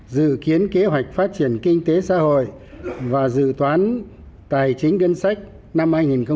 dự kiến kế hoạch phát triển kinh tế xã hội và dự toán tài chính gân sách năm hai nghìn một mươi tám